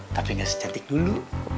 tapi enggak secantik dulu